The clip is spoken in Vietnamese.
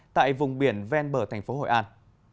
tại vùng biển ven bờ thành phố hội an